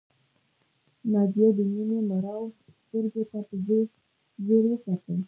ناجیه د مينې مړاوو سترګو ته په ځير ځير وکتل